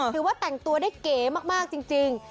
ถือว่าแต่งตัวได้เก๋มากจริง